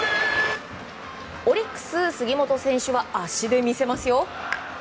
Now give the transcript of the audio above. オリックス、杉本選手は足で見せます！